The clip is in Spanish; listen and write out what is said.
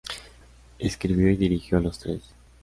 Escribió y dirigió los tres.